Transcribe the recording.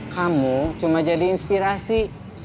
kamu cuma jadi inspirasi